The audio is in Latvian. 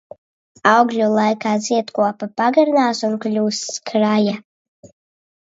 Augļu laikā ziedkopa pagarinās un kļūst skraja.